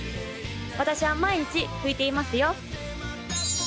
私は毎日拭いていますよ